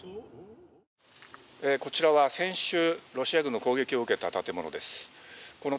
こちらは先週、ロシア軍の攻撃を受けた建物です。